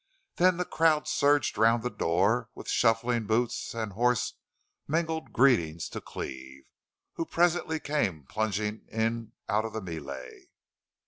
Then the crowd surged round the door with shuffling boots and hoarse, mingled greetings to Cleve, who presently came plunging in out of the melee.